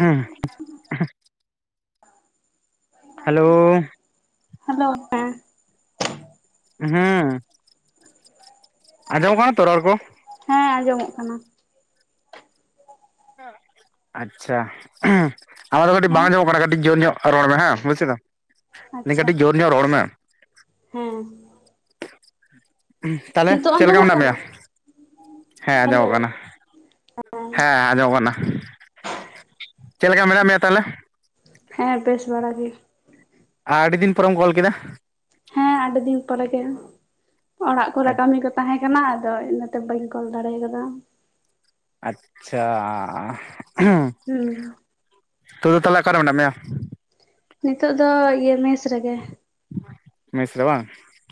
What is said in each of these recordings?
ᱩᱢ hello hello ᱦᱮᱸ ᱦᱚᱸᱢ ᱟᱸᱡᱚᱢ ᱠᱟᱱᱟ ᱛᱚ ᱨᱚᱲ ᱠᱚ? ᱦᱮᱸ ᱟᱸᱡᱚᱢᱚᱜ ᱠᱟᱱᱟ᱾ ᱟᱪᱪᱷᱟ ᱟᱢᱟᱜ ᱫᱚ ᱠᱟᱹᱴᱤᱡ ᱵᱟᱝ ᱦᱮᱸ ᱟᱸᱡᱚᱢᱚᱜ ᱠᱟᱱᱟ ᱠᱟᱹᱴᱤᱡ ᱡᱳᱨ ᱧᱚᱜᱼ ᱨᱚᱲ ᱢᱮ ᱦᱮᱸ ᱵᱩᱡᱷ ᱠᱮᱫᱟᱢ᱾ ᱟᱪᱪᱷᱟ ᱠᱟᱹᱴᱤᱡ ᱡᱳᱨ ᱧᱚᱜ ᱨᱚᱲ ᱢᱮ ᱦᱮᱸ ᱛᱟᱦᱞᱮ ᱱᱤᱛᱚᱜ ᱪᱮᱫ ᱞᱮᱠᱟ ᱟᱸᱡᱚᱢᱚᱜ ᱢᱮᱱᱟᱜ ᱠᱟᱱᱟ ᱢᱮᱭᱟ? ᱦᱮᱸ ᱦᱮᱞᱳ ᱟᱸᱡᱚᱢᱚᱜ ᱠᱟᱱᱟ ᱦᱮᱸ ᱟᱸᱡᱚᱢᱚᱜ ᱠᱟᱱᱟ, ᱪᱮᱫ ᱞᱮᱠᱟ ᱢᱮᱱᱟᱜ ᱢᱮᱭᱟ ᱛᱟᱦᱚᱞᱮ? ᱦᱮᱸ ᱵᱮᱥ ᱵᱟᱲᱟ ᱜᱮ᱾ ᱟᱹᱰᱤ ᱫᱤᱱ ᱯᱚᱨᱮᱢ ᱠᱚᱞ ᱠᱮᱫᱟ? ᱦᱮᱸ ᱟᱹᱰᱤ ᱫᱤᱱ ᱯᱚᱨᱮ ᱜᱮ ᱚᱲᱟᱜ ᱠᱚᱨᱮ ᱠᱟᱹᱢᱤ ᱠᱚᱼ ᱛᱟᱦᱮᱸ ᱠᱟᱱᱟ ᱟᱫᱚ ᱤᱱᱟᱹᱛᱮ ᱵᱟᱹᱧ ᱠᱚᱞ ᱫᱟᱲᱮ ᱟᱠᱟᱫᱟ᱾ ᱟᱪᱪᱷᱟ ᱦᱚᱢ ᱦᱩᱸ ᱱᱤᱛᱳ ᱫᱚ ᱛᱟᱦᱚᱞᱮ ᱚᱠᱟᱨᱮ ᱢᱮᱱᱟᱜ ᱢᱮᱭᱟ? ᱱᱤᱛᱚᱜ ᱫᱚ ᱢᱮᱥ ᱨᱮᱜᱮ᱾ ᱢᱮᱥ ᱨᱮ ᱵᱟᱝ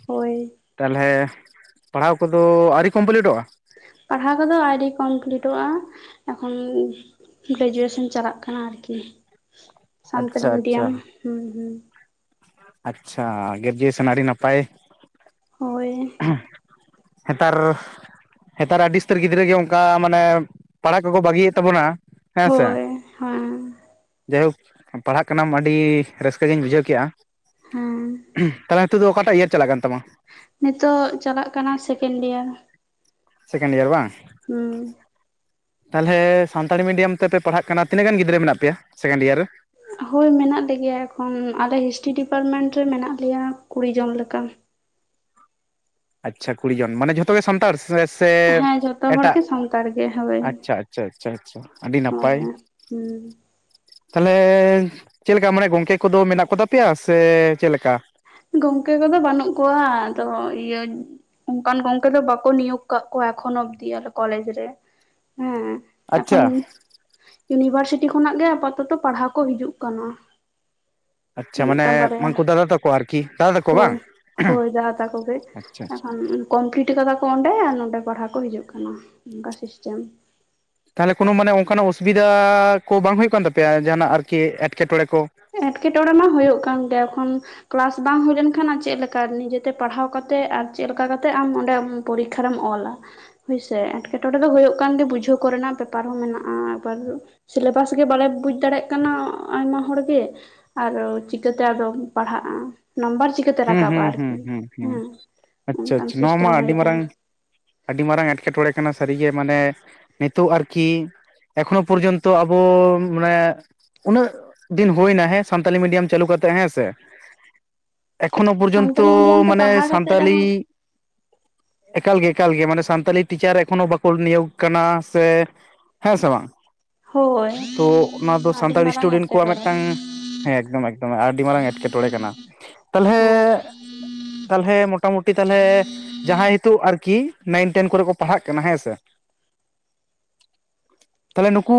ᱦᱳᱭ ᱛᱟᱦᱚᱞᱮ ᱯᱟᱲᱦᱟᱣ ᱠᱚᱫᱚ ᱟᱹᱣᱨᱤ ᱠᱚᱢᱯᱞᱤᱴᱚᱜᱼᱟ? ᱯᱟᱲᱦᱟᱣ ᱠᱚᱫᱚ ᱟᱣᱨᱤ ᱠᱚᱢᱯᱞᱤᱴᱚᱜᱼᱟ ᱮᱠᱷᱚᱱᱼ ᱜᱨᱮᱡᱩᱭᱮᱥᱚᱱ ᱪᱟᱞᱟᱜ ᱠᱟᱱᱟ ᱟᱨᱠᱤ ᱥᱟᱱᱛᱟᱞᱤ ᱟᱪᱪᱷᱟ ᱟᱪᱪᱷᱟ ᱢᱤᱰᱤᱭᱟᱢ ᱦᱩᱸᱦᱩᱸ ᱟᱪᱪᱷᱟ ᱜᱨᱮᱡᱩᱭᱮᱥᱚᱱ ᱟᱹᱰᱤ ᱱᱟᱯᱟᱭ ᱦᱳᱭ ᱱᱮᱛᱟᱨ ᱧᱮᱛᱟᱨ ᱟᱹᱰᱤ ᱩᱥᱛᱟᱹᱨ ᱜᱤᱫᱽᱨᱟᱹ ᱜᱮ ᱚᱝᱠᱟ ᱢᱟᱱᱮ ᱯᱟᱲᱦᱟᱜ ᱠᱚᱠᱚ ᱵᱟᱹᱜᱤᱭᱮᱜ ᱛᱟᱵᱚᱱᱟ᱾ ᱦᱮᱸ ᱥᱮ ᱦᱳᱭ ᱦᱮᱸ ᱡᱟᱭᱦᱳᱠ ᱯᱟᱲᱦᱟᱜ ᱠᱟᱱᱟᱢ ᱟᱹᱰᱤ ᱨᱟᱹᱥᱠᱟᱹ ᱜᱤᱧ ᱵᱩᱡᱷᱟᱹᱣ ᱠᱮᱜᱼᱟ᱾ ᱦᱮᱸ ᱛᱟᱞᱦᱮ ᱱᱤᱛᱚᱜ ᱫᱚ ᱚᱠᱟᱴᱟᱜ ᱤᱭᱟᱨ ᱪᱟᱞᱟᱜ ᱠᱟᱱ ᱛᱟᱢᱟ? ᱱᱤᱛᱚᱜ ᱪᱟᱞᱟᱜ ᱠᱟᱱᱟ ᱥᱮᱠᱮᱱ ᱰᱤᱭᱟᱨ᱾ ᱥᱮᱠᱮᱱᱰᱤᱭᱟᱨ ᱵᱟᱝ᱾ ᱦᱩᱸ ᱛᱟᱞᱦᱮ ᱥᱟᱱᱛᱟᱲᱤ ᱢᱤᱰᱤᱭᱟᱢ ᱛᱮᱯᱮ ᱯᱟᱲᱦᱟᱜ ᱠᱟᱱᱟ ᱛᱤᱱᱟᱹᱜ ᱜᱟᱱ ᱜᱤᱫᱽᱨᱟᱹ ᱢᱮᱱᱟᱜ ᱯᱮᱭᱟ ᱥᱮᱠᱮᱱᱰᱤᱭᱟᱨ ᱨᱮ? ᱦᱳᱭ ᱢᱮᱱᱟᱜ ᱞᱮᱜᱮᱭᱟ ᱮᱠᱷᱚᱱ ᱟᱞᱮ ᱦᱤᱥᱴᱨᱤ ᱰᱤᱯᱟᱨᱢᱮᱱᱴ ᱨᱮ ᱢᱮᱱᱟᱜ ᱞᱮᱭᱟ ᱠᱩᱲᱤ ᱡᱚᱱ ᱞᱮᱠᱟ᱾ ᱟᱪᱪᱷᱟ ᱠᱩᱲᱤ ᱡᱚᱱ ᱢᱟᱱᱮ ᱡᱚᱛᱚ ᱜᱮ ᱥᱟᱱᱛᱟᱲ ᱥᱮ ᱥᱮ ᱦᱮᱸ ᱡᱚᱛᱚ ᱦᱚᱲ ᱮᱴᱟᱜ ᱜᱮ ᱥᱟᱱᱛᱟᱲ ᱜᱮ ᱦᱳᱭ ᱟᱪᱪᱷᱟ ᱟᱪᱪᱷᱟ ᱟᱪᱪᱷᱟ ᱟᱪᱪᱷᱟ ᱟᱹᱰᱤ ᱱᱟᱯᱟᱭ᱾ ᱦᱳᱭ ᱦᱩᱸ ᱛᱟᱞᱦᱮ ᱪᱮᱫ ᱞᱮᱠᱟ ᱢᱟᱱᱮ ᱜᱚᱝᱠᱮ ᱠᱚᱫᱚ ᱢᱮᱱᱟᱜ ᱠᱚ ᱛᱟᱯᱮᱭᱟ ᱥᱮ ᱪᱮᱫ ᱞᱮᱠᱟ? ᱜᱚᱝᱠᱮ ᱠᱚᱫᱚ ᱵᱟᱹᱱᱩᱜ ᱠᱚᱣᱟ ᱟᱫᱚ ᱤᱭᱟᱹ ᱚᱝᱠᱟᱱ ᱜᱚᱝᱠᱮ ᱫᱚ ᱵᱟᱠᱚ ᱱᱤᱭᱳᱜ ᱠᱟᱜ ᱠᱚᱣᱟ ᱮᱠᱷᱚᱱᱳ ᱚᱵᱫᱤ ᱟᱯᱮ ᱠᱚᱞᱮᱡᱽ ᱨᱮ ᱦᱮᱸ᱾ ᱮᱠᱷᱚᱱ ᱟᱪᱪᱷᱟ ᱤᱭᱩᱱᱤᱵᱷᱟᱨᱥᱤᱴᱤ ᱠᱷᱚᱱᱟᱜ ᱜᱮ ᱟᱯᱟᱛᱚᱛᱚ ᱯᱟᱲᱦᱟᱣ ᱠᱚ ᱦᱤᱡᱩᱜ ᱠᱟᱱᱟ᱾ ᱟᱪᱪᱷᱟ ᱢᱟᱱᱮ ᱢᱤᱫᱴᱟᱝ ᱵᱟᱨᱭᱟ ᱦᱟᱹᱝᱠᱩ ᱫᱟᱫᱟ ᱛᱟᱠᱚ ᱟᱨᱠᱤ ᱫᱟᱫᱟ ᱛᱟ ᱦᱳᱭ ᱦᱳᱭ ᱫᱟᱫᱟ ᱛᱟᱠᱚ ᱜᱮ ᱟᱪᱪᱷᱟ ᱮᱠᱷᱚᱱ ᱠᱚᱢᱯᱤᱞᱴ ᱠᱟᱫᱟ ᱠᱚ ᱚᱸᱰᱮ ᱟᱨ ᱱᱚᱸᱰᱮ ᱯᱟᱲᱦᱟᱣ ᱠᱚ ᱦᱤᱡᱩᱜ ᱠᱟᱱᱟ, ᱚᱝᱠᱟ ᱥᱤᱥᱴᱮᱢ᱾ ᱛᱟᱞᱦᱮ ᱠᱳᱱᱳ ᱢᱟᱱᱮ ᱚᱝᱠᱟᱱᱟᱜ ᱚᱥᱩᱵᱤᱫᱟ ᱠᱚ ᱵᱟᱝ ᱦᱩᱭᱩᱜ ᱠᱟᱱ ᱛᱟᱯᱮᱭᱟ ᱡᱟᱦᱟᱱᱟᱜ ᱟᱨᱠᱤ ᱮᱴᱠᱮᱴᱚᱬᱮ ᱠᱚ? ᱮᱴᱠᱮᱴᱚᱲᱮ ᱢᱟ ᱦᱳᱭᱳᱜ ᱠᱟᱱ ᱜᱮᱭᱟ ᱮᱠᱷᱚᱱ ᱠᱞᱟᱥ ᱵᱟᱝ ᱦᱩᱭ ᱞᱮᱱᱠᱷᱟᱱ ᱪᱮᱫ ᱞᱮᱠᱟ ᱱᱤᱡᱮᱛᱮ ᱯᱟᱲᱦᱟᱣ ᱠᱟᱛᱮᱜ ᱟᱨ ᱪᱮᱫ ᱞᱮᱠᱟ ᱠᱟᱛᱮᱜ ᱟᱢ ᱚᱸᱰᱮᱢ ᱯᱚᱨᱤᱠᱠᱷᱟᱨᱮᱢ ᱚᱞᱟ? ᱦᱳᱭᱥᱮ ᱮᱸᱴᱠᱮᱴᱚᱲᱮ ᱫᱚ ᱦᱩᱭᱩᱜ ᱠᱟᱱ ᱜᱮ ᱵᱩᱡᱷᱟᱹᱣ ᱠᱚᱨᱮᱱᱟᱜ ᱯᱮᱯᱟᱨ ᱦᱚᱸ ᱢᱮᱱᱟᱜᱼᱟ, ᱟᱵᱟᱨ ᱥᱤᱞᱮᱵᱟᱥ ᱜᱮ ᱵᱟᱞᱮ ᱵᱩᱡ ᱫᱟᱲᱮᱜ ᱠᱟᱱᱟ ᱟᱭᱢᱟ ᱦᱚᱲ ᱜᱮ ᱟᱨᱚ ᱪᱤᱠᱟᱹᱛᱮ ᱟᱫᱚᱢ ᱯᱟᱲᱦᱟᱜᱼᱟ ᱱᱟᱢᱵᱟᱨ ᱪᱤᱠ ᱦᱩᱸ ᱦᱩᱸ ᱦᱩᱸ ᱦᱩᱸ ᱦᱩ ᱟᱪᱪᱷᱟ ᱚᱱᱠᱟᱱ ᱟᱪᱪᱷᱟ ᱱᱚᱣᱟ ᱢᱟ ᱥᱤᱥᱴᱮᱢ ᱦᱩᱭ ᱟᱹᱰᱤ ᱟᱠᱟᱱᱟ ᱢᱟᱨᱟᱝ ᱟᱹᱰᱤ ᱢᱟᱨᱟᱝ ᱮᱴᱠᱮᱴᱚᱬᱮ ᱠᱟᱱᱟ ᱥᱟᱹᱨᱤᱜᱮ ᱢᱟᱱᱮ ᱱᱤᱛᱚᱜ ᱟᱨᱠᱤ ᱮᱠᱷᱚᱱᱳ ᱯᱚᱨᱡᱚᱱᱛᱚ ᱟᱵᱚ ᱢᱟᱱᱮ ᱩᱱᱟᱹᱜ ᱫᱤᱱ ᱦᱩᱭᱱᱟ ᱦᱮᱸ ᱥᱟᱱᱛᱟᱞᱤ ᱢᱤᱰᱤᱭᱟᱢ ᱪᱟᱹᱞᱩ ᱠᱟᱛᱮᱜ ᱦᱮᱸ ᱥᱮ᱾ ᱮᱠᱷᱚᱱᱳ ᱯᱚᱨᱡᱚᱱᱛᱚ ᱥᱟᱱᱛᱟᱞᱤ ᱢᱤᱰᱤᱭᱟᱢ ᱛᱮ ᱢᱟᱱᱮ ᱯᱟᱲᱦᱟᱣ ᱠᱟᱛᱮᱜ ᱥᱟᱱᱛᱟᱞᱤ ᱨᱮᱦᱚᱸ ᱮᱠᱟᱞ ᱜᱮ ᱮᱠᱟᱞ ᱜᱮ ᱢᱟᱱᱮ ᱥᱟᱱᱛᱟᱞᱤ ᱴᱤᱪᱟᱨ ᱮᱠᱷᱚᱱᱚ ᱵᱟᱠᱚ ᱱᱤᱭᱳᱜᱽ ᱠᱟᱱᱟ ᱥᱮ ᱦᱮᱸ ᱥᱮ ᱵᱟᱝ? ᱦᱳᱭ ᱛᱚ ᱚᱱᱟ ᱫᱚ ᱟᱹᱰᱤ ᱥᱟᱱᱛᱟᱲᱤ ᱢᱟᱨᱟᱝ ᱤᱥᱴᱩᱰᱮᱱᱴ ᱠᱚᱣᱟᱜ ᱮᱴᱠᱮᱴᱚᱬᱮ ᱢᱤᱫᱴᱟᱝ ᱦᱮᱸ ᱮᱠᱫᱚᱢ ᱮᱠᱫᱚᱢ ᱟᱹᱰᱤ ᱢᱟᱨᱟᱝ ᱮᱴᱠᱮᱴᱚᱬᱮ ᱠᱟᱱᱟ᱾ ᱛᱟᱞᱦᱮ ᱦᱮᱸ ᱛᱟᱞᱦᱮ ᱢᱚᱴᱟᱢᱩᱴᱤ ᱛᱟᱞᱦᱮ ᱡᱟᱦᱟᱭᱸ ᱱᱤᱛᱚᱜ ᱟᱨᱠᱤ ᱱᱟᱭᱤᱱ ᱴᱮᱱ ᱠᱚᱨᱮ ᱠᱚ ᱯᱟᱲᱦᱟᱜ ᱠᱟᱱᱟ ᱦᱮᱸ ᱥᱮ᱾ [unintelligible] ᱛᱟᱦᱞᱮ ᱱᱩᱠᱩ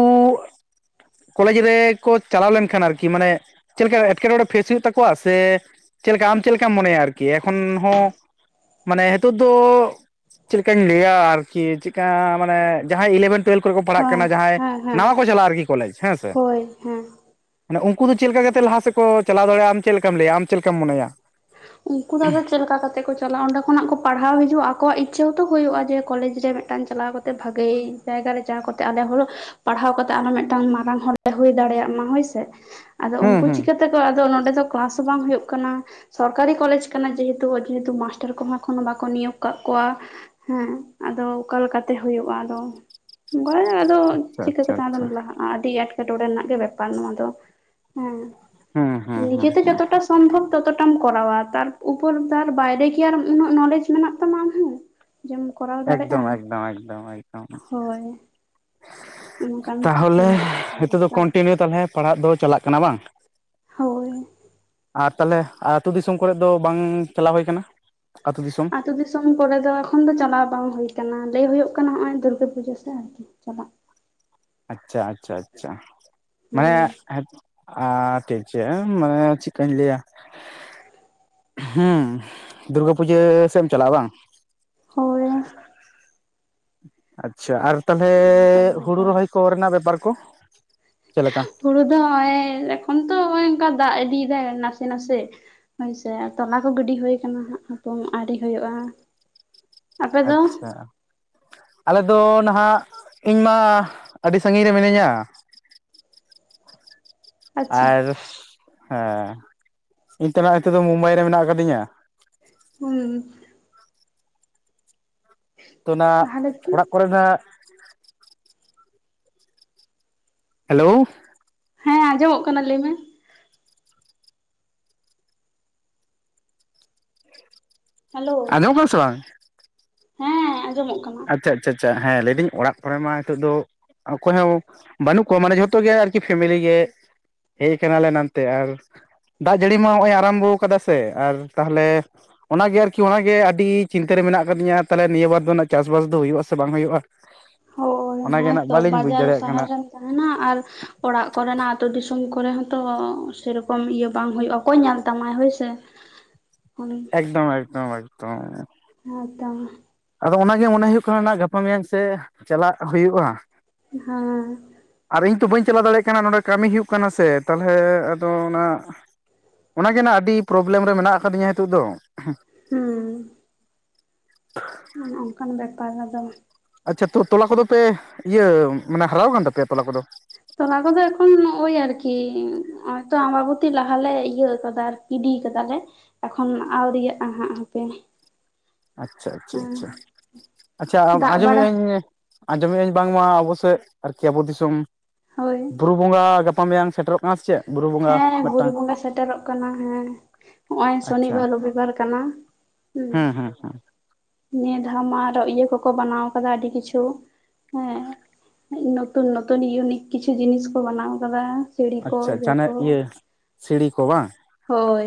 ᱠᱚᱞᱮᱡᱽ ᱨᱮᱠᱚ ᱪᱟᱞᱟᱣ ᱞᱮᱱᱠᱷᱟᱱ ᱟᱨᱠᱤ ᱢᱟᱱᱮ ᱪᱮᱫᱞᱮᱠᱟ ᱮᱴᱠᱮᱴᱚᱬᱮ ᱯᱷᱮᱥ ᱦᱩᱭᱩᱜ ᱛᱟᱠᱚᱣᱟ ᱥᱮ ᱪᱮᱫ ᱞᱮᱠᱟ ᱟᱢ ᱪᱮᱫ ᱞᱮᱠᱟᱢ ᱢᱚᱱᱮᱭᱟ ᱟᱨᱠᱤ ᱮᱠᱷᱚᱱ ᱦᱚᱸ ᱢᱟᱱᱮ ᱱᱤᱛᱚᱜ ᱫᱚ ᱪᱮᱫ ᱞᱮᱠᱟᱧ ᱞᱟᱹᱭᱟ ᱟᱨᱠᱤ ᱪᱮᱜᱠᱟ ᱢᱟᱱᱮ ᱡᱟᱦᱟᱸᱭ ᱤᱞᱮᱵᱷᱮᱱ ᱴᱩᱭᱮᱞᱵᱷ ᱠᱚᱨᱮ ᱠᱚ ᱯᱟᱲᱦᱟᱜ ᱦᱮᱸ ᱠᱟᱱᱟ ᱡᱟᱦᱟᱸᱭ ᱦᱮᱸ ᱦᱮᱸ ᱱᱟᱣᱟ ᱠᱚ ᱪᱟᱞᱟᱜᱼᱟ ᱟᱨᱠᱤ ᱠᱚᱞᱮᱡᱽ ᱦᱮᱸ ᱥᱮ᱾ ᱦᱳᱭ ᱦᱮᱸ ᱢᱟᱱᱮ ᱩᱝᱠᱩ ᱫᱚ ᱪᱮᱫ ᱞᱮᱠᱟ ᱠᱟᱛᱮ ᱞᱟᱦᱟ ᱥᱮᱫ ᱠᱚ ᱪᱟᱞᱟᱣ ᱫᱟᱲᱮᱜᱼᱟ, ᱟᱢ ᱪᱮᱫ ᱞᱮᱠᱟᱢ ᱞᱟᱹᱭᱟ ᱟᱢ ᱪᱮᱫ ᱞᱮᱠᱟᱢ ᱢᱚᱱᱮᱭᱟ? ᱩᱝᱠᱩ ᱫᱚ ᱟᱫᱚ ᱪᱮᱫ ᱞᱮᱠᱟ ᱠᱟᱛᱮ ᱠᱚ ᱪᱟᱞᱟᱜᱼᱟ, ᱚᱸᱰᱮ ᱠᱷᱚᱱᱟᱜ ᱠᱚ ᱯᱟᱲᱦᱟᱣ ᱦᱤᱡᱩᱜᱼᱟ ᱟᱠᱚᱣᱟᱜ ᱤᱪᱪᱷᱟᱹ ᱦᱚᱸᱛᱚ ᱦᱩᱭᱩᱜᱼᱟ ᱡᱮ ᱠᱚᱞᱮᱡᱽ ᱨᱮ ᱢᱤᱫᱴᱟᱝ ᱪᱟᱞᱟᱣ ᱠᱟᱛᱮ ᱵᱷᱟᱜᱮ ᱡᱟᱭᱜᱟ ᱨᱮ ᱡᱟᱦᱟᱸᱟ ᱠᱟᱛᱮ ᱟᱞᱮ ᱦᱚᱸ ᱯᱟᱲᱦᱟᱣ ᱠᱟᱛᱮᱜ ᱟᱨᱦᱚᱸ ᱢᱤᱫᱴᱟᱝ ᱢᱟᱨᱟᱝ ᱦᱚᱲᱞᱮ ᱦᱩᱭ ᱫᱟᱲᱮᱭᱟᱜ ᱢᱟ ᱦᱳᱭᱥᱮ᱾ ᱟᱫᱚ ᱦᱩᱸ ᱩᱝᱠᱩ ᱦᱩᱸ ᱪᱤᱠᱟᱹᱛᱮᱠᱚ ᱟᱫᱚ ᱱᱚᱸᱰᱮ ᱫᱚ ᱠᱞᱟᱥ ᱦᱚᱸ ᱵᱟᱝ ᱦᱩᱭᱩᱜ ᱠᱟᱱᱟ᱾ ᱥᱚᱨᱠᱟᱨᱤ ᱠᱚᱞᱮᱡᱽ ᱠᱟᱱᱟ ᱡᱮᱦᱮᱛᱩ ᱟᱹᱰᱤ ᱟᱹᱴᱩ ᱢᱟᱥᱴᱟᱨ ᱠᱚᱦᱚᱸ ᱮᱠᱷᱚᱱᱳ ᱵᱟᱠᱚ ᱱᱤᱭᱳᱜᱽ ᱠᱟᱜ ᱠᱚᱣᱟ᱾ ᱦᱮᱸ ᱟᱫᱚ ᱚᱠᱟ ᱞᱮᱠᱟᱛᱮ ᱦᱩᱭᱩᱜᱼᱟ ᱟᱫᱚ? ᱚᱝᱠᱟᱜᱮ ᱟᱫᱚ ᱟᱪᱪᱷᱟ ᱪᱤᱠᱟᱹ ᱟᱪᱪᱷᱟ ᱠᱟᱛᱮᱢ ᱟᱫᱚᱢ ᱟᱪᱪᱷᱟ ᱞᱟᱦᱟᱜ ᱟᱹᱰᱤ ᱮᱴᱠᱮᱼᱴᱚᱬᱮ ᱨᱮᱱᱟᱜ ᱜᱮ ᱵᱮᱯᱟᱨ ᱱᱚᱣᱟ ᱫᱚ, ᱦᱩᱸ᱾ ᱦᱩᱸ ᱦᱩᱸ ᱦᱩᱸ ᱱᱤᱡᱮᱛᱮ ᱦᱩᱸ ᱡᱚᱛᱚᱴᱟ ᱥᱚᱢᱵᱷᱚᱵ ᱛᱚᱛᱚ ᱴᱟᱢ ᱠᱚᱨᱟᱣᱟ ᱛᱟᱨ ᱩᱯᱚᱨ ᱛᱟᱨ ᱵᱟᱭᱨᱮ ᱠᱤ ᱟᱨ ᱤᱱᱟᱹᱜ ᱱᱚᱞᱮᱡ ᱢᱮᱱᱟᱜ ᱛᱟᱢᱟ ᱟᱢᱦᱚ, ᱡᱮᱢ ᱠᱚᱨᱟᱣ ᱫᱟᱲᱮᱜᱼᱟ, ᱮᱠᱫᱚᱢ ᱮᱠᱫᱚᱢ ᱮᱠᱫᱚᱢ ᱮᱠᱫᱚᱢ ᱦᱳᱭ᱾ ᱚᱱᱠᱟᱱ ᱛᱟᱦᱚᱞᱮ ᱱᱤᱛᱳᱜ ᱫᱚ ᱥᱚᱢᱚᱥᱥᱟ ᱠᱚᱱᱴᱤᱱᱤᱭᱩ ᱛᱟᱦᱚᱞᱮ ᱯᱟᱲᱦᱟᱜ ᱫᱚ ᱪᱟᱞᱟᱜ ᱠᱟᱱᱟ ᱵᱟᱝ? ᱦᱳᱭ᱾ ᱟᱨ ᱛᱟᱦᱚᱞᱮ ᱟᱛᱩ ᱫᱤᱥᱚᱢ ᱠᱚᱨᱮ ᱫᱚ ᱵᱟᱝ ᱪᱟᱞᱟᱣ ᱦᱩᱭ ᱠᱟᱱᱟ ᱟᱛᱩ ᱫᱤᱥᱚᱢ᱾ ᱟᱛᱩ ᱫᱤᱥᱚᱢ ᱠᱚᱨᱮ ᱫᱚ ᱮᱠᱷᱚᱱ ᱫᱚ ᱪᱟᱞᱟᱣ ᱵᱟᱝ ᱦᱩᱭ ᱠᱟᱱᱟ ᱞᱟᱹᱭ ᱦᱩᱭᱩᱜ ᱠᱟᱱᱟ ᱦᱚᱜᱼᱚᱭ ᱫᱩᱨᱜᱟᱹ ᱯᱩᱡᱟᱹ ᱥᱮ ᱟᱨᱠᱤ᱾ ᱪᱟᱞᱟᱜ᱾ ᱟᱪᱪᱷᱟ, ᱟᱪᱪᱷᱟ, ᱟᱪᱪᱷᱟ, ᱢᱟᱱᱮ ᱦᱩᱸ ᱦᱮ ᱟ ᱴᱷᱤᱠ ᱪᱮ ᱮᱢ ᱢᱟᱱᱮ ᱪᱤᱜᱠᱟᱧ ᱞᱟᱹᱭᱟ᱾ ᱦᱩᱸ ᱫᱩᱨᱜᱟᱹ ᱯᱩᱡᱟᱹ ᱥᱮᱢ ᱪᱟᱞᱟᱜᱼᱟ ᱵᱟᱝ᱾ ᱦᱳᱭ᱾ ᱟᱪᱪᱷᱟ ᱟᱨ ᱛᱟᱦᱚᱞᱮ ᱚᱱᱠᱟᱱ ᱦᱩᱲᱩ ᱵᱮᱯᱟᱨ ᱨᱚᱦᱚᱭ ᱠᱚ ᱨᱮᱱᱟᱜ ᱵᱮᱯᱟᱨ ᱠᱚ ᱪᱮᱞᱮᱠᱟ? ᱦᱩᱲᱩ ᱫᱚ ᱦᱚᱸᱼᱚᱭ ᱮᱠᱷᱚᱱ ᱛᱚ ᱦᱚᱸᱜᱼᱚᱭ ᱮᱱᱠᱟ ᱫᱟᱜ ᱤᱫᱤᱭ ᱫᱟᱭ ᱱᱟᱥᱮ ᱱᱟᱥᱮ᱾ ᱦᱳᱭᱥᱮ ᱟ ᱛᱚᱞᱟ ᱠᱚ ᱜᱤᱰᱤ ᱦᱳᱭ ᱠᱟᱱᱟ ᱦᱟᱸᱜ ᱦᱟᱯᱮᱱ ᱟᱣᱨᱤ ᱦᱳᱭᱳᱜᱼᱟ᱾ ᱟᱪᱪᱷᱟ᱾ ᱟᱞᱮ ᱫᱚ ᱱᱟᱦᱟᱜ ᱤᱧᱢᱟ ᱟᱹᱰᱤ ᱥᱟᱺᱜᱤᱧ ᱨᱮ ᱢᱤᱱᱟᱹᱧᱟ᱾ ᱟᱪᱪᱷᱟ ᱟᱨ ᱦᱮᱸ ᱤᱧ ᱛᱚᱱᱟᱜ ᱱᱤᱛᱳ ᱫᱚ ᱢᱩᱢᱵᱟᱭ ᱨᱮ ᱢᱮᱱᱟᱜ ᱟᱠᱟ ᱫᱤᱧᱟ᱾ ᱦᱩᱸ᱾ ᱛᱚ ᱱᱟᱜ ᱛᱟᱦᱚᱞᱮ ᱠᱤ ᱚᱲᱟᱜ ᱠᱚᱨᱮ ᱱᱟᱜ ᱦᱮᱞᱳᱣ᱾ ᱦᱮᱸ, ᱟᱸᱡᱚᱢᱚᱜ ᱠᱟᱱᱟ ᱞᱟᱹᱭ ᱢᱮ᱾ ᱦᱮᱞᱳ ᱟᱸᱡᱚᱢᱚᱜ ᱠᱟᱱᱟ ᱥᱮ ᱵᱟᱝ? ᱦᱮᱸ, ᱟᱸᱡᱚᱢᱚᱜ ᱠᱟᱱᱟ᱾ ᱟᱪᱪᱷᱟ, ᱟᱪᱪᱷᱟ, ᱟᱪᱪᱷᱟ ᱦᱮᱸ ᱞᱟᱹᱭᱫᱟᱹᱧ ᱚᱲᱟᱜ ᱠᱚᱨᱮ ᱢᱟ ᱱᱤᱛᱳᱜ ᱫᱚ ᱚᱠᱚᱭ ᱦᱚᱸ ᱵᱟᱹᱱᱩᱜ ᱠᱚᱣᱟ ᱢᱟᱱᱮ ᱡᱷᱚᱛᱚ ᱜᱮ ᱟᱨᱠᱤ ᱯᱷᱮᱢᱮᱞᱤ ᱜᱮ᱾ ᱦᱮᱭ ᱠᱟᱱᱟ ᱞᱮ ᱱᱟᱱᱛᱮ ᱟᱨ ᱫᱟᱜ ᱡᱟᱹᱲᱤ ᱢᱟ ᱦᱚᱜᱼᱚᱭ ᱟᱨᱟᱢᱵᱚᱣ ᱠᱟᱫᱟ ᱥᱮ ᱟᱨ ᱛᱟᱦᱚᱞᱮ ᱚᱱᱟ ᱜᱮ ᱟᱨᱠᱤ ᱚᱱᱟ ᱜᱮ ᱟᱹᱰᱤ ᱪᱤᱱᱛᱟᱹ ᱨᱮ ᱢᱮᱱᱟᱜ ᱟᱠᱟᱫᱤᱧᱟ ᱛᱟᱦᱚᱞᱮ ᱱᱤᱭᱟᱹ ᱵᱟᱨ ᱫᱚ ᱱᱟ ᱪᱟᱥᱼᱵᱟᱥ ᱫᱚ ᱦᱩᱭᱩᱜᱼᱟ ᱥᱮ ᱵᱟᱝ ᱦᱩᱭᱩᱜᱼᱟ? ᱚᱱᱟᱜᱮ ᱱᱟᱜ ᱵᱟᱹᱞᱤᱧ ᱵᱩᱡᱽ ᱫᱟᱲᱮᱭᱟᱜ ᱠᱟᱱᱟ᱾ ᱛᱟᱦᱮᱸᱱᱟ ᱟᱨ ᱚᱲᱟᱜ ᱠᱚᱨᱮᱱᱟᱜ ᱟᱛᱳ ᱫᱤᱥᱚᱢ ᱠᱚᱨᱮ ᱦᱚᱸᱛᱚ ᱥᱮᱨᱚᱠᱚᱢ ᱤᱭᱟᱹ ᱵᱟᱝ ᱦᱩᱭᱩᱜᱼᱟ, ᱚᱠᱚᱭ ᱧᱮᱞ ᱛᱟᱢᱟᱭ ᱦᱳᱭ ᱥᱮ᱾ ᱦᱩᱸ᱾ ᱮᱠᱫᱚᱢ, ᱮᱠᱫᱚᱢ, ᱮᱠᱫᱚᱢ᱾ ᱦᱮᱸᱛᱚ ᱢᱟ ᱟᱫᱚ ᱚᱱᱟ ᱜᱮ ᱢᱚᱱᱮ ᱦᱩᱭᱩᱜ ᱠᱟᱱᱟ ᱜᱟᱯᱟ ᱢᱮᱭᱟᱝ ᱥᱮᱜ ᱪᱟᱞᱟᱜ ᱦᱩᱭᱩᱜᱼᱟ᱾ ᱦᱮᱸ ᱟᱨ ᱤᱧ ᱛᱚ ᱵᱟᱹᱧ ᱪᱟᱞᱟᱣ ᱫᱟᱲᱮᱭᱟᱜ ᱠᱟᱱᱟ ᱱᱚᱰᱮ ᱠᱟᱹᱢᱤ ᱦᱩᱭᱩᱜ ᱠᱟᱱᱟ ᱥᱮ ᱛᱟᱞᱦᱮ ᱟᱫᱚ ᱚᱱᱟᱼᱼ ᱚᱱᱟ ᱜᱮ ᱱᱟᱜ ᱟᱹᱰᱤ ᱯᱨᱚᱵ ᱞᱮᱢ ᱨᱮ ᱢᱮᱱᱟᱜ ᱟᱠᱟ ᱫᱤᱧᱟ ᱱᱤᱛᱚᱜ ᱫᱚ? ᱦᱩᱸ ᱚᱱ ᱠᱟᱱ ᱵᱮᱯᱟᱨ ᱨᱮ ᱫᱚ ᱟᱪᱪᱷᱟ, ᱛᱚ-ᱛᱚᱞᱟ ᱠᱚᱫᱚ ᱯᱮ, ᱤᱭᱟᱹ ᱢᱟᱱᱮ ᱦᱟᱨᱟᱣ ᱟᱠᱟᱱ ᱛᱟᱯᱮᱭᱟ ᱛᱚᱞᱟ ᱠᱚᱫᱚ? ᱛᱚᱞᱟ ᱠᱚᱫᱚ ᱮᱠᱷᱚᱱ ᱱᱚᱜᱼᱚᱭ ᱟᱨᱠᱤ, ᱱᱚᱸᱜᱼᱚᱭ ᱛᱚ ᱟᱢᱵᱟᱵᱩᱛᱤ ᱞᱟᱦᱟ ᱞᱮ ᱤᱭᱟᱹ ᱟᱠᱟᱫᱟ ᱟᱨ ᱜᱤᱰᱤ ᱟᱠᱟᱫᱟᱞᱮ ᱮᱠᱷᱚᱱ ᱟᱣᱨᱤᱭᱟᱜ-ᱟ ᱦᱟᱸᱜ ᱦᱟᱯᱮ᱾ ᱟᱪᱪᱷᱟ ᱟᱪᱪᱷᱟ ᱦᱮᱸ ᱟᱪᱷᱟ, ᱟᱪᱪᱷᱟ ᱫᱟᱜ ᱟᱸᱡᱚᱢᱮᱜ ᱵᱟᱲᱟ ᱟᱹᱻᱧ ᱟᱸᱡᱚᱢᱮᱜ ᱟᱹᱧ ᱵᱟᱝ ᱢᱟ ᱟᱵᱚ ᱥᱮᱜ ᱟᱨᱠᱤ ᱟᱵᱚ ᱫᱤᱥᱚᱢ ᱦᱳᱭ ᱵᱩᱨᱩ [inaudible] ᱵᱚᱸᱜᱟ ᱜᱟᱯᱟ ᱢᱮᱭᱟᱝ ᱥᱮᱴᱮᱨᱚᱜ ᱠᱟᱱᱟ ᱥᱮ ᱪᱮᱫ? ᱵᱩᱨᱩ ᱵᱚᱸᱜᱟ ᱦᱮᱸ ᱵᱩᱨᱩ ᱢᱤᱫᱴᱟᱝ ᱵᱚᱸᱜᱟ ᱥᱮᱴᱮᱨᱚᱜ ᱠᱟᱱᱟ ᱦᱮᱸ, ᱦᱚᱸᱜᱼᱚᱭ ᱟᱪᱪᱷᱟ ᱥᱚᱱᱤᱵᱟᱨ ᱨᱚᱵᱤᱵᱟᱨ ᱠᱟᱱᱟ᱾ ᱦᱮᱸ ᱦᱮᱸ ᱦᱮᱸ᱾ ᱱᱤᱭᱟᱹ ᱫᱷᱟᱣ ᱢᱟ ᱟᱨᱚ ᱤᱭᱟᱹ ᱠᱚᱠᱚ ᱵᱟᱱᱟᱣᱟ ᱠᱟᱫᱟ ᱟᱹᱰᱤ ᱠᱤᱪᱷᱩ ᱦᱮᱸ᱾ ᱱᱚᱛᱩᱱ, ᱱᱚᱛᱩᱱ ᱤᱭᱩᱱᱤᱠ ᱠᱤᱪᱷᱩ ᱡᱤᱱᱤᱥ ᱠᱚ ᱵᱟᱱᱟᱣ ᱟᱠᱟᱫᱟ᱾ ᱟᱪᱪᱷᱟ ᱡᱟᱱᱮ ᱦᱟᱱᱮ, ᱤᱭᱟᱹ ᱥᱤᱲᱤ ᱠᱚ ᱵᱟᱝ? ᱦᱚᱭ,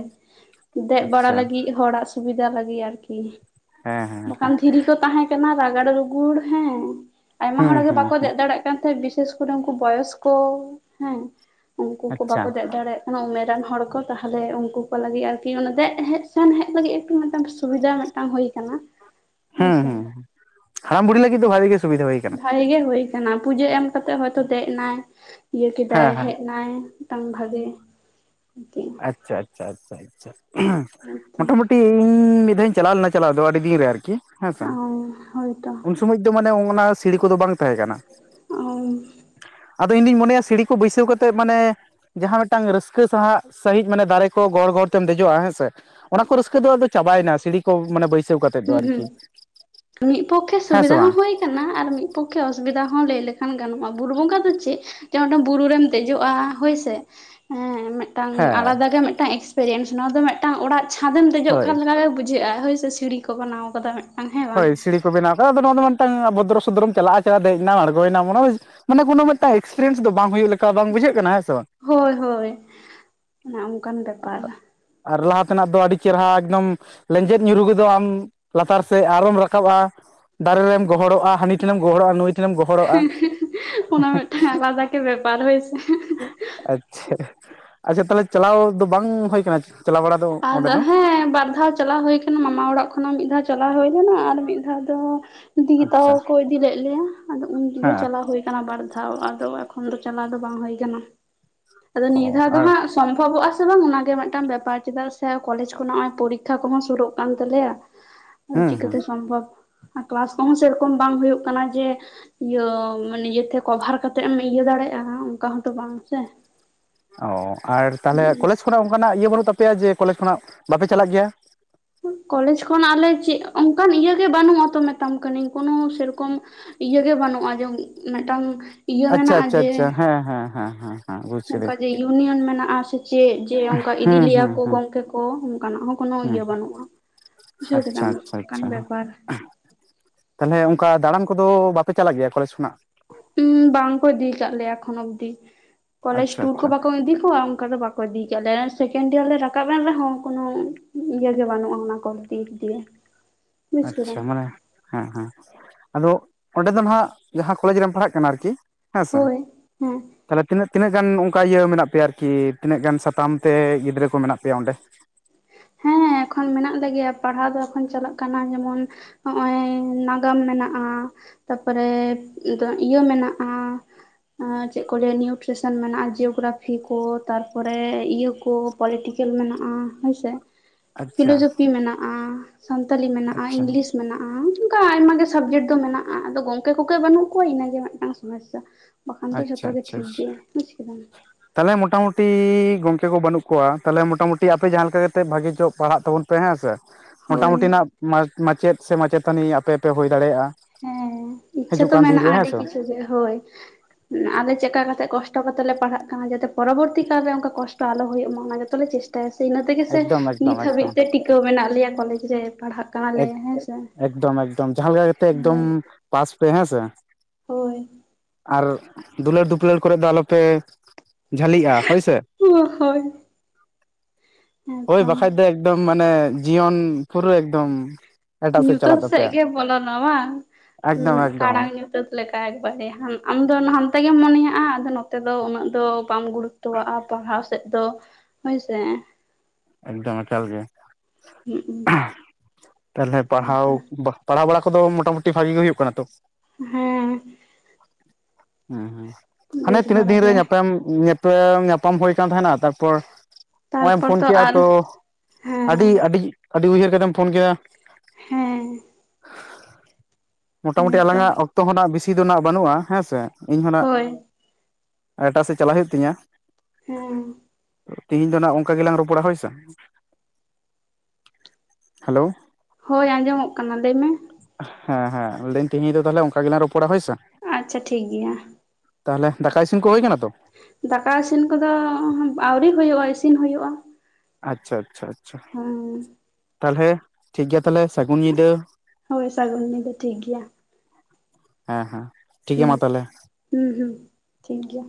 ᱫᱮᱜ ᱵᱟᱲᱟ ᱟᱪᱪᱷᱟ ᱞᱟᱹᱜᱤᱫ ᱦᱚᱲᱟᱜ ᱥᱩᱵᱤᱫᱟ ᱞᱟᱹᱜᱤᱫ ᱟᱨᱠᱤ᱾ ᱦᱮᱸ ᱦᱮᱸ ᱦᱮᱸ᱾ ᱵᱟᱠᱷᱟᱱ ᱫᱷᱤᱨᱤ ᱠᱚ ᱛᱟᱦᱮᱸ ᱠᱟᱱᱟ ᱨᱟᱜᱟᱲ ᱨᱩᱜᱩᱲ ᱦᱮᱸ, ᱟᱭᱢᱟ ᱦᱮᱸ ᱦᱚᱲ ᱜᱮ ᱦᱮᱸ ᱵᱟᱠᱚ ᱦᱮᱸ ᱫᱮᱜ ᱫᱟᱲᱮᱭᱟᱜ ᱠᱟᱱ ᱛᱟᱦᱮᱸᱜ ᱵᱤᱥᱮᱥ ᱠᱩᱨᱤ [unintelligible] ᱨᱮ ᱩᱱᱠᱩ ᱵᱚᱭᱚᱥᱠᱚ ᱦᱮᱸ ᱩᱱᱠᱩ ᱠᱚ ᱟᱪᱪᱷᱟ ᱵᱟᱠᱚ ᱫᱮᱡ ᱫᱟᱲᱮᱭᱟᱜ ᱠᱟᱱᱟ ᱩᱢᱮᱨᱟᱱ ᱦᱚᱲ ᱠᱚ ᱛᱟᱦᱞᱮ ᱩᱱᱠᱩ ᱠᱚ ᱞᱟᱹᱜᱤᱫ ᱟᱨᱠᱤ ᱚᱱᱟ ᱫᱮᱡ ᱦᱮᱡ, ᱥᱮᱱ ᱦᱮᱡ ᱞᱟᱹᱜᱤᱫ ᱮᱠᱴᱩ ᱢᱤᱫᱴᱟᱝ ᱥᱩᱵᱤᱫᱟ ᱢᱤᱫᱴᱟᱝ ᱦᱩᱭ ᱟᱠᱟᱱᱟ᱾ [inaudible] ᱦᱩᱸ ᱦᱩᱸ, ᱦᱟᱲᱟᱢ ᱵᱩᱰᱷᱤ ᱞᱟᱹᱜᱤᱫ ᱫᱚ ᱵᱷᱟᱜᱤ ᱜᱮ ᱥᱩᱵᱤᱫᱟ ᱦᱩᱭ ᱟᱠᱟᱱᱟ᱾ [unintelligible] ᱜᱮ ᱦᱩᱭ [inaudible] ᱠᱟᱱᱟ, ᱯᱩᱡᱟᱹ ᱮᱢ ᱠᱟᱛᱮᱜ ᱦᱚᱭᱛᱚ ᱫᱮᱜ ᱱᱟᱭ ᱤᱭᱟᱹ ᱠᱮᱫᱟᱭ ᱦᱮᱸ ᱦᱮᱸ ᱦᱮᱜ ᱱᱟᱭ ᱢᱤᱫᱴᱟᱝ ᱵᱷᱟᱜᱮ ᱟᱨᱠᱤ ᱟᱪᱪᱷᱟ ᱟᱪᱪᱷᱟ ᱟᱪᱪᱷᱟ ᱟᱪᱪᱷᱟ, ᱦᱮᱸᱛᱚ ᱢᱚᱴᱟᱼᱢᱩᱴᱤ ᱤᱧᱻ ᱢᱤᱫ ᱫᱷᱟᱣᱤᱧ ᱪᱟᱞᱟᱣ ᱞᱮᱱᱟ ᱪᱟᱞᱟᱣ ᱫᱚ ᱟᱹᱰᱤ ᱫᱤᱱ ᱨᱮ ᱟᱨᱠᱤ ᱦᱮᱸ ᱥᱮ ᱦᱳᱭᱛᱚ [unintelligible] [unintelligible] ᱫᱚ ᱢᱟᱱᱮ ᱚᱱᱟ ᱥᱤᱲᱤ ᱠᱚᱫᱚ ᱵᱟᱝ ᱛᱟᱦᱮᱸ ᱠᱟᱱᱟ᱾ ᱦᱩᱸ ᱟᱫᱚ ᱤᱧ ᱫᱩᱧ ᱢᱚᱱᱮᱭᱟ ᱥᱤᱲᱤ ᱠᱚ ᱵᱟᱹᱭᱥᱟᱹᱣ ᱠᱟᱛᱮᱫ ᱢᱟᱱᱮ, ᱡᱟᱦᱟᱸ ᱢᱤᱫᱴᱟᱝ ᱨᱟᱹᱥᱠᱟᱹ ᱥᱟᱦᱟᱜ ᱥᱟᱹᱭᱤᱡ ᱢᱟᱱᱮ ᱫᱟᱨᱮ ᱠᱚ ᱜᱚᱲ ᱜᱚᱲ ᱛᱮᱢ ᱫᱮᱡᱚᱜᱼᱟ ᱦᱮᱸ ᱥᱮ, ᱚᱱᱟ ᱠᱚ ᱨᱟᱹᱥᱠᱟᱹ ᱫᱚ ᱟᱫᱚ ᱪᱟᱵᱟᱭᱱᱟ ᱥᱤᱲᱤ ᱠᱚ ᱢᱟᱱᱮ ᱵᱟᱹᱭ ᱦᱩᱸ ᱦᱩᱸ, ᱢᱤᱜ ᱯᱚᱠᱠᱷᱮ ᱦᱮᱸ ᱥᱮ ᱥᱩᱵᱤᱫᱟ ᱦᱚᱸ ᱵᱟᱝ ᱦᱩᱭ ᱠᱟᱱᱟ ᱟᱨ ᱢᱤᱫ ᱯᱚᱠᱠᱷᱮ ᱚᱥᱩᱵᱤᱫᱟ ᱦᱚᱸ ᱞᱟᱹᱭ ᱞᱮᱠᱷᱟᱱ ᱜᱟᱱᱚᱜᱼᱟ, ᱵᱩᱨᱩ ᱵᱚᱸᱜᱟ ᱫᱚ ᱪᱮᱜ ᱪᱮ ᱚᱸᱰᱮᱢ ᱵᱩᱨᱩ ᱨᱮᱢ ᱫᱮᱡᱚᱜᱼᱟ ᱦᱳᱭᱥᱮ, ᱮᱸ ᱹᱹᱹ ᱴᱟᱝ ᱦᱮᱸ ᱟᱞᱟᱫᱟ ᱜᱮ ᱢᱤᱫᱴᱟᱝ ᱮᱠᱥᱯᱮᱨᱤᱭᱮᱱᱥ ᱱᱚᱣᱟ ᱫᱚ ᱢᱤᱫᱴᱟᱝ ᱚᱲᱟᱜ᱾ ᱪᱷᱟᱺᱫᱮᱢ ᱫᱮᱡᱚᱜ ᱦᱳᱭ ᱠᱟᱱ ᱞᱮᱠᱟ ᱜᱮ ᱵᱩᱡᱷᱟᱹᱜᱼᱟ ᱦᱳᱭ ᱥᱮ ᱥᱤᱲᱤ ᱠᱚ ᱵᱟᱱᱟᱣ ᱟᱠᱟᱫᱟ ᱦᱟᱸᱜ ᱾ ᱦᱳᱭ, ᱥᱤᱲᱤ ᱠᱚ ᱵᱮᱱᱟᱣ ᱟᱠᱟᱫᱟ ᱟᱫᱚ ᱱᱚᱣᱟ ᱫᱚ ᱢᱤᱫᱴᱟᱝ ᱵᱷᱚᱫᱽᱨᱚ ᱥᱚᱫᱽᱨᱚᱢ ᱪᱟᱞᱟᱜᱼᱟ ᱪᱷᱟᱲᱟ ᱫᱮᱡ ᱮᱱᱟᱢ ᱟᱬᱜᱚᱭᱮᱱᱟᱢ ᱚᱱᱟ ᱢᱟᱱᱮ ᱠᱳᱱᱳ ᱢᱤᱫᱴᱟᱝ ᱮᱠᱥᱯᱤᱭᱮᱱᱥ ᱫᱚ ᱵᱟᱝ ᱦᱳᱭᱳᱜ ᱞᱟᱜᱼᱼ ᱠᱟ ᱵᱟᱝ ᱵᱩᱡᱷᱟᱹᱜ ᱠᱟᱱᱟ ᱦᱮᱸᱥᱮ ᱵᱟᱝ? ᱦᱳᱭ ᱦᱳᱭ ᱚᱱᱮ ᱚᱱᱠᱟᱱ ᱵᱮᱯᱟᱨ ᱹᱹᱹᱹᱹᱹᱹᱹᱹᱟᱜ-ᱟᱜ ᱾ ᱟᱨ ᱞᱟᱦᱟ ᱛᱮᱱᱟᱜ ᱫᱚ ᱟᱹᱰᱤ ᱪᱮᱨᱦᱟ ᱮᱠᱫᱚᱢ ᱞᱮᱸᱡᱮᱫ ᱧᱩᱨᱩᱜᱚᱫᱚ ᱟᱢ ᱞᱟᱛᱟᱨ ᱾ ᱥᱮ ᱟᱨᱚᱢ ᱨᱟᱠᱟᱵ ᱟ ᱫᱟᱨᱮ ᱨᱮᱢ ᱜᱚᱦᱚᱲᱚᱜᱼᱟ ᱦᱟᱹᱱᱤ ᱴᱷᱮᱱᱮᱢ ᱜᱚᱦᱚᱲᱚᱜᱼᱟ ᱱᱩᱭ - ᱠᱷᱮᱢ ᱜᱚᱦᱚᱲᱚᱜᱼᱟ᱾ [unintelligible] ᱪᱮᱜ ᱵᱮᱯᱟᱨ? ᱦᱚᱭ ᱥᱮ, ᱮᱸᱦᱻᱮᱸᱦ ᱾ ᱟᱪᱪᱷᱟ ᱦᱮ-ᱦᱮ, ᱟᱪᱪᱷᱟ ᱛᱟᱞᱦᱮ ᱪᱟᱞᱟᱣ ᱫᱚ ᱵᱟᱝ ᱦᱳᱭ ᱠᱟᱱᱟ ᱪᱟᱞᱟᱣ ᱵᱟᱲᱟ? ᱫᱚ ᱚᱸᱰᱮ ᱟᱨᱫᱚ ᱫᱚ ᱦᱮᱸ ᱵᱟᱨ ᱫᱷᱟᱣ ᱪᱟᱞᱟᱣ ᱦᱳᱭᱼᱼ ᱢᱟᱢᱟ ᱚᱲᱟᱜ ᱠᱷᱚᱱᱟᱜ ᱢᱤᱫ ᱫᱷᱟᱣ ᱪᱟᱞᱟᱣ ᱦᱳᱭ ᱞᱮᱱᱟ ᱾ ᱟᱨ ᱢᱤᱫ ᱫᱷᱟᱣ ᱫᱚ ᱫᱤᱫᱤ ᱛᱟᱠᱚ ᱟᱪᱪᱷᱟ ᱠᱚ ᱤᱫᱤ ᱞᱮᱫ ᱞᱮᱭᱟ ᱾ ᱟᱫᱚ ᱩᱱᱜᱮ ᱦᱮᱸ ᱪᱟᱞᱟᱣ ᱦᱳᱭ ᱟᱠᱟᱱᱟ ᱵᱟᱨ ᱫᱷᱟᱣ ᱟᱫᱚ ᱮᱠᱷᱚᱱ ᱫᱚ ᱪᱟᱞᱟᱣ ᱫᱚ ᱵᱟᱝ ᱦᱳᱭ ᱠᱟᱱᱟ ᱾ ᱟᱫᱚ ᱱᱤᱭᱟᱹ ᱚ ᱫᱷᱟᱣ ᱫᱚ ᱟᱨ ᱦᱟᱸᱜ ᱥᱚᱢᱵᱷᱚᱵᱚᱜ-ᱟ ᱥᱮ ᱵᱟᱝ ᱚᱱᱟᱜᱮ ᱢᱮᱫᱴᱟᱝ ᱵᱮᱯᱟᱨ ᱾ ᱪᱮᱫᱟᱜ ᱥᱮ ᱠᱚᱞᱮᱡᱽ ᱠᱚ ᱱᱚᱜ ᱚᱭ ᱯᱚᱨᱤᱠᱠᱷᱟ ᱠᱚᱦᱚᱸ ᱥᱳᱨᱳᱜ ᱠᱟᱱ ᱛᱟᱞᱮᱭᱟ ᱾ ᱦᱩᱸ ᱦᱩᱸ ᱪᱤᱠᱟᱹᱛᱮ ᱥᱚᱢᱵᱷᱚᱵᱽ? ᱠᱮᱞᱟᱥ ᱠᱚᱦᱚᱸ ᱥᱮᱨᱚᱠᱚᱢ ᱵᱟᱝ ᱦᱳᱭᱳᱜ ᱠᱟᱱᱟ ᱡᱮ ᱤᱭᱟᱹ ᱢᱟᱱᱮ ᱤᱭᱟᱹ ᱛᱮ ᱠᱚᱵᱷᱟᱨ ᱠᱟᱛᱮᱜ ᱮᱢ ᱤᱭᱟᱹ ᱫᱟᱲᱮᱜᱼᱟ ᱚᱝᱠᱟ ᱦᱚᱸᱛᱚ ᱵᱟᱝ ᱥᱮ᱾ ᱚ ᱟᱨ ᱛᱟᱦᱞᱮ ᱦᱩᱸ ᱠᱚᱞᱮᱡᱽ ᱠᱷᱚᱱᱟᱜ ᱚᱱᱠᱟᱱᱟᱜ ᱤᱭᱟᱹ ᱵᱟᱹᱱᱩᱜ ᱛᱟᱯᱮᱭᱟ ᱡᱮ ᱠᱚᱞᱮᱡᱽ ᱠᱷᱚᱱᱟᱜ ᱵᱟᱯᱮ ᱪᱟᱞᱟᱜ ᱜᱮᱭᱟ? ᱠᱚᱞᱮᱪ ᱠᱷᱚᱱᱟᱜ ᱞᱮ ᱪᱮᱜ ᱚᱱᱠᱟᱱ ᱤᱭᱟᱹ ᱜᱮ ᱵᱟᱹᱱᱩᱜᱼᱟ ᱛᱚ ᱢᱮᱛᱟᱢ ᱠᱟᱱᱤᱧ, ᱠᱳᱱᱳ ᱥᱮᱨᱚᱠᱚᱢ ᱤᱭᱟᱹ ᱜᱮ ᱵᱟᱹᱱᱩᱜᱼᱟ ᱡᱮ ᱢᱤ-ᱢᱮᱜᱴᱟᱝ ᱟᱪᱪᱷᱟ ᱟᱪᱪᱷᱟ ᱟᱪᱪᱷᱟ, ᱦᱮᱸ ᱦᱮᱸ ᱦᱮᱸ ᱦᱮᱸ᱾ ᱦᱮᱸ ᱵᱩᱡᱽ ᱦᱩᱝᱠᱟ ᱠᱤᱫᱟᱹᱧ ᱡᱮ ᱤᱭᱩᱱᱤᱭᱚᱱ ᱢᱮᱱᱟᱜᱼᱟ ᱥᱮ ᱪᱮᱜ ᱡᱮ ᱚᱱᱠᱟ ᱦᱩᱸ ᱤᱫᱤᱞᱮᱭᱟ ᱦᱩᱸ ᱠᱚ ᱦᱩᱸ ᱜᱚᱝᱠᱮ ᱠᱚ ᱚᱱᱠᱟᱱᱟᱜ ᱦᱚᱸ ᱠᱳᱱᱳ ᱦᱩᱸ ᱤᱭᱟᱹ ᱵᱟᱹᱱᱩᱜᱼᱟ᱾ ᱵᱩᱡᱷᱟᱹᱣ ᱟᱪᱪᱷᱟ ᱠᱮᱫᱟᱢ ᱟᱪᱪᱷᱟ ᱚᱱᱠᱟᱱ ᱵᱮᱯᱟᱨ᱾ ᱛᱟᱦᱞᱮ ᱚᱱᱠᱟ ᱫᱟᱬᱟᱱ ᱠᱚᱫᱚ ᱵᱟᱯᱮ ᱪᱟᱞᱟᱜ ᱜᱮᱭᱟ ᱠᱚᱞᱮᱡᱽ ᱠᱷᱚᱱᱟᱜ? ᱩᱸ ᱵᱟᱝ ᱠᱚ ᱤᱫᱤᱭᱠᱟᱜ ᱞᱮᱭᱟ ᱮᱠᱷᱚᱱ ᱚᱵᱫᱤ, ᱠᱚᱞᱮᱡᱽ ᱟᱪᱪᱷᱟ ᱴᱩᱨ ᱠᱚ ᱟᱪᱪᱷᱟ ᱵᱟᱠᱚ ᱤᱫᱤ ᱠᱚᱣᱟ ᱚᱱᱠᱟ ᱫᱚ ᱵᱟ ᱠᱚ ᱤᱫᱤᱭᱠᱟᱜ ᱞᱮ ᱥᱮᱠᱮᱱ ᱰᱤᱭᱟᱨ ᱞᱮ ᱨᱟᱠᱟᱵ ᱮᱱ ᱨᱮᱦᱚᱸ ᱠᱳᱱᱚ ᱤᱭᱟᱹ ᱜᱮ ᱵᱟᱱᱩᱜᱼᱟ ᱚᱱᱟ ᱠᱚ ᱫᱤᱠ ᱫᱤᱭᱮ᱾ [inaudible] ᱟᱪᱪᱷᱟ, ᱢᱟᱱᱮ ᱦᱮᱸ-ᱦᱮᱸ, ᱟᱫᱚ ᱚᱸᱰᱮ ᱫᱚ ᱱᱟᱦᱱᱟᱜ ᱡᱟᱦᱟᱸ ᱠᱚᱞᱮᱡᱽ ᱨᱮᱢ ᱯᱟᱲᱦᱟᱜ ᱠᱟᱱᱟ ᱟᱨᱠᱤ ᱦᱮᱸᱥᱮ ᱦᱳᱭ ᱦᱮᱸ ᱛᱟᱞᱮ ᱛᱤᱱᱟᱹᱜ ᱛᱤᱱᱟᱹᱜ ᱜᱟᱱ ᱚᱱᱠᱟ ᱤᱭᱟᱹ ᱢᱮᱱᱟᱜ ᱯᱮᱭᱟ ᱟᱨᱠᱤ ᱛᱤᱱᱟᱹᱜ ᱜᱟᱱ ᱥᱟᱛᱟᱢ ᱛᱮ ᱜᱤᱫᱽᱨᱟᱹ ᱠᱚ ᱢᱮᱱᱟᱜ ᱯᱮᱭᱟ ᱚᱸᱰᱮ ᱦᱮᱸ ᱮᱠᱷᱚᱱ ᱢᱮᱱᱟᱜ ᱞᱮᱜᱮᱭᱟ ᱯᱟᱲᱦᱟᱣ ᱫᱚ ᱮᱠᱷᱚᱱ ᱪᱟᱞᱟᱜ ᱠᱟᱱᱟ ᱡᱮᱢᱚᱱ ᱦᱚᱜ ᱚᱭ ᱱᱟᱜᱟᱢ ᱢᱮᱱᱟᱜᱼᱟ ᱛᱟᱨᱯᱚᱨᱮ ᱤᱨᱟ. ᱤᱭᱟᱹ ᱢᱮᱱᱟᱜᱼᱟ ᱮ ᱪᱮᱫ ᱠᱚ ᱞᱟᱹᱭᱟ ᱱᱤᱭᱩᱴᱨᱮᱥᱚᱱ ᱢᱮᱱᱟᱜᱼᱟ ᱡᱤᱭᱳᱜᱨᱟᱯᱷᱤ ᱠᱚ ᱛᱟᱨᱯᱚᱨᱮ ᱤᱭᱟᱹ ᱠᱚ ᱯᱚᱞᱤᱴᱤᱠᱮᱞ ᱢᱮᱱᱟᱜᱼᱟ ᱦᱳᱭ ᱥᱮ ᱟᱪᱪᱷᱟ ᱯᱷᱤᱞᱳᱡᱚᱯᱷᱤ ᱢᱮᱱᱟᱜᱼᱟ ᱥᱟᱱᱛᱟᱞᱤ ᱢᱮᱱᱟᱜᱼᱟ ᱟᱪᱪᱷᱟ ᱤᱝᱞᱤᱥ ᱢᱮᱱᱟᱜᱼᱟ ᱚᱝᱠᱟ ᱟᱭᱢᱟ ᱜᱮ ᱥᱟᱵᱡᱮᱠᱴ ᱫᱚ ᱢᱮᱱᱟᱜᱼᱟ ᱟᱫᱚ ᱜᱚᱝᱠᱮ ᱠᱚᱜᱮ ᱵᱟᱹᱱᱩᱜ ᱠᱚᱣᱟ ᱤᱱᱟᱹᱜᱮ ᱢᱤᱫᱴᱟᱝ ᱥᱚᱢ ᱢᱚᱥᱥᱟ ᱵᱟᱠᱷᱟᱱ ᱫᱚ ᱡᱷᱚᱛᱚ ᱜᱮ ᱴᱷᱤᱠ ᱜᱮ ᱵᱩᱡᱽ ᱠᱮᱫᱟᱢ ᱛᱟᱞᱮ ᱢᱚᱴᱟᱢᱩᱴᱤ ᱜᱚᱝᱠᱮ ᱠᱚ ᱵᱟᱹᱱᱩᱜ ᱠᱚᱣᱟ ᱛᱟᱞᱮ ᱢᱚᱴᱟᱢᱩᱩᱴᱤ ᱟᱯᱮ ᱡᱟᱦᱟᱸ ᱞᱮᱠᱟ ᱠᱟᱛᱮ ᱵᱷᱟᱜᱮ ᱧᱚᱜ ᱯᱟᱲᱦᱟᱜ ᱛᱟᱵᱚᱱ ᱯᱮ ᱦᱮᱸ ᱥᱮ ᱦᱳᱭ ᱢᱳᱴᱟᱢᱩᱴᱤ ᱱᱟᱜ ᱢᱟ ᱢᱟᱪᱮᱫ ᱥᱮ ᱢᱟᱪᱮᱛᱟᱹᱱᱤ ᱟᱯᱮ ᱯᱮ ᱦᱳᱭ ᱫᱟᱲᱮᱭᱟᱜᱼᱟ ᱤᱪᱷᱟᱹ ᱦᱤᱡᱩᱜ ᱛᱚ ᱠᱟᱱ ᱫᱤᱱ ᱢᱮᱱᱟᱜᱼᱟ ᱨᱮ ᱦᱮᱸ ᱟᱹᱰᱤ ᱥᱮ ᱠᱤᱪᱷᱩ ᱜᱮ ᱦᱳᱭ ᱟᱞᱮ ᱪᱮᱫᱠᱟ ᱠᱟᱛᱮ ᱠᱚᱥᱴᱚ ᱠᱟᱛᱮᱜ ᱞᱮ ᱯᱟᱲᱦᱟᱜ ᱠᱟᱱᱟ ᱡᱟᱛᱮ ᱯᱚᱨᱚᱵᱚᱨᱛᱤ ᱠᱟᱞᱨᱮ ᱚᱱᱠᱟ ᱠᱚᱥᱴᱚ ᱟᱞᱚ ᱦᱳᱭᱳᱜ ᱢᱟ ᱚᱱᱟ ᱜᱮᱛᱚᱞᱮ ᱪᱮᱥ ᱴᱟᱭᱟ ᱥᱮ ᱤᱱᱟᱹ ᱛᱮᱜᱮ ᱥᱮ ᱮᱠᱫᱚᱢ ᱮᱠᱫᱚᱢ ᱱᱤᱛ ᱦᱟᱹᱵᱤᱡ ᱮᱠᱫᱚᱢ ᱛᱮ ᱴᱤᱠᱟᱹᱣ ᱢᱮᱱᱟᱜ ᱞᱮᱭᱟ ᱠᱚᱞᱮᱡᱽ ᱨᱮ ᱯᱟᱲᱦᱟᱜ ᱠᱟᱱᱟᱞᱮ ᱮᱠ ᱦᱮᱸ ᱥᱮ ᱮᱠᱫᱚᱢ ᱮᱠᱫᱚᱢ ᱡᱟᱦᱟᱸ ᱞᱮᱠᱟ ᱠᱟᱛᱮ ᱮᱠᱫᱚᱢ ᱦᱳᱭ ᱯᱟᱥ ᱯᱮ ᱦᱮᱸᱥᱮ ᱦᱳᱭ ᱟᱨ ᱫᱩᱞᱟᱹᱲᱼ ᱫᱩᱯᱞᱟᱹᱲ ᱠᱚᱨᱮ ᱫᱚ ᱟᱞᱚᱯᱮ ᱡᱷᱟᱹᱞᱤᱜᱼᱟ ᱦᱳᱭᱥᱮ ᱦᱳᱭ ᱦᱳᱭ ᱦᱮᱸᱛᱚ ᱵᱟᱠᱷᱟᱡ ᱫᱚ ᱮᱠᱫᱚᱢ ᱢᱟᱱᱮ ᱡᱤᱭᱚᱱ ᱯᱩᱨᱟᱹ ᱮᱠᱫᱚᱢ ᱮᱴᱟᱜ ᱧᱩᱛᱟᱹᱛ ᱪᱟᱞᱟᱜ ᱥᱮᱫ ᱛᱟᱯᱮᱭᱟ ᱜᱮ ᱵᱚᱞᱚᱱᱟ ᱵᱟᱝ ᱮᱠᱫᱚᱢ ᱮᱠᱫᱚᱢ ᱠᱟᱲᱟᱝ ᱧᱩ ᱧᱩᱛᱟ. ᱛ ᱞᱮᱠᱟ ᱮᱠᱵᱟᱨᱮ ᱟᱢ ᱫᱚ ᱦᱟᱱᱛᱮ ᱜᱮᱢ ᱢᱚᱱᱮᱭᱟᱜᱼᱟ ᱟᱫᱚ ᱱᱚᱛᱮ ᱫᱚ ᱩᱱᱟᱹᱜ ᱫᱚ ᱵᱟᱢ ᱜᱩᱲᱩ ᱛᱚᱣᱟᱜᱼᱟ ᱯᱟᱲᱦᱟᱣ ᱥᱮᱫ ᱫᱚ ᱦᱳᱭᱥᱮ ᱮᱠᱫᱚᱢ ᱮᱠᱟᱞ ᱜᱮ ᱛᱟᱞᱦᱮ ᱯᱟᱲᱦᱟᱣ ᱦᱮᱸᱛᱚ ᱵᱟ ᱯᱟᱲᱦᱟᱣ ᱵᱟᱲᱟ ᱠᱚᱫᱚ ᱢᱚᱴᱟᱢᱩᱴᱤ ᱵᱷᱟᱜᱮ ᱜᱮ ᱦᱩᱭᱩᱜ ᱠᱟᱱᱟ ᱛᱚ ᱦᱮᱸ ᱦᱮᱸ ᱦᱮᱸ ᱦᱟᱱᱮ ᱵᱮᱥ ᱛᱤᱱᱟᱹᱜ ᱵᱟᱲᱟ ᱫᱤᱱ ᱨᱮ ᱜᱮ ᱧᱟᱯᱟᱢ ᱧᱮᱯᱮᱞ ᱧᱟᱯᱟᱢ ᱦᱳᱭ ᱠᱟᱱ ᱛᱟᱦᱮᱱᱟ ᱛᱟ ᱯᱚᱨ ᱚᱦᱚᱭ ᱮᱢ ᱛᱟᱨᱯᱚᱨ ᱯᱷᱳᱱ ᱠᱮᱜ ᱟ ᱟᱨ ᱛᱚ ᱟᱹᱰᱤ ᱦᱮᱸ ᱟᱹᱰᱤ ᱟᱹᱰᱤ ᱩᱭᱦᱟᱹᱨ ᱠᱟᱛᱮᱢ ᱯᱷᱳᱱ ᱠᱮᱜ ᱟ ᱦᱮᱸ ᱢᱳᱴᱟᱢᱩᱴᱤ ᱟᱞᱟᱝ ᱦᱮᱸᱛᱚ ᱟᱜ ᱚᱠᱛᱚ ᱦᱚᱸ ᱱᱟᱜ ᱵᱤᱥᱤ ᱫᱚ ᱱᱟᱜ ᱵᱟᱹᱱᱩᱜᱼᱟ ᱦᱮᱸ ᱥᱮ ᱤᱧᱦᱚᱱᱟᱜ ᱦᱳᱭ ᱮᱴᱟ ᱥᱮᱫ ᱪᱟᱞᱟᱜ ᱦᱩᱭᱩᱜ ᱛᱤᱧᱟᱹ ᱦᱮᱸ ᱛᱮᱦᱤᱧ ᱫᱚ ᱱᱟᱸᱜ ᱚᱝᱠᱟ ᱜᱮᱞᱟᱝ ᱨᱚᱯᱚᱲᱟ ᱦᱳᱭᱥᱮ ᱦᱮᱞᱳ ᱦᱳᱭ ᱟᱸᱡᱚᱢᱚᱜ ᱠᱟᱱᱟ ᱞᱮᱭ ᱢᱮ ᱦᱮᱸ ᱦᱮᱸ ᱞᱟᱹᱭᱟᱹᱧ ᱛᱮᱦᱮᱧ ᱫᱚ ᱛᱟᱦᱚᱞᱮ ᱚᱱᱠᱟ ᱜᱮᱞᱟᱝ ᱨᱚᱯᱚᱲᱟ ᱦᱳᱭᱥᱮ ᱟᱪᱪᱷᱟ ᱴᱷᱤᱠ ᱜᱮᱭᱟ ᱛᱟᱦᱚᱞᱮ ᱫᱟᱠᱟ ᱤᱥᱤᱱ ᱠᱚ ᱦᱳᱭ ᱠᱟᱱᱟ ᱛᱚ ᱫᱟᱠᱟ ᱤᱥᱤᱱ ᱠᱚᱫᱚ ᱟᱹᱣᱨᱤ ᱦᱩᱭᱩᱜ-ᱟ ᱤᱥᱤᱱ ᱦᱩᱭᱩᱜ-ᱟ ᱟᱪᱪᱷᱟ ᱟᱪᱪᱷᱟ ᱦᱩ ᱛᱟᱞᱦᱮ ᱴᱷᱤᱠᱜᱮᱭᱟ ᱛᱟᱞᱦᱮ ᱥᱟᱹᱜᱩᱱ ᱧᱤᱫᱟᱹ ᱦᱳᱭ ᱥᱟᱹᱜᱩᱱ ᱧᱤᱫᱟᱹ ᱴᱷᱤᱠ ᱜᱮᱭᱟ ᱦᱮᱸ ᱦᱮᱸ ᱴᱷᱤᱠ ᱜᱮᱭᱟ ᱦᱩᱸ ᱢᱟ ᱛᱟᱦᱞᱮ ᱦᱩᱸ ᱦᱩᱸ ᱴᱷᱤᱠ ᱜᱮᱭᱟ